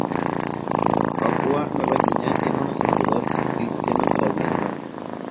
Papúa Nueva Guinea tiene una sociedad cristiana tradicional.